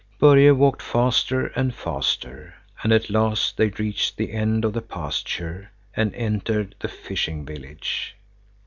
Börje walked faster and faster, and at last they reached the end of the pasture and entered the fishing village.